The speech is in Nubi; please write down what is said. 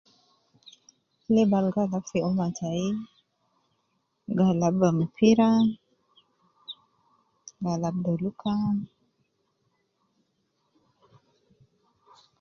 Libu al gi alabu fi uma tayi, gi alabu mpira, gi alabu doluka.